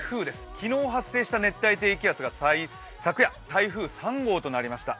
昨日発生した熱帯低気圧が昨夜、台風３号となりました。